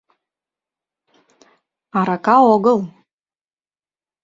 — Арака огыл...